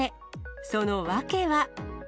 その訳は。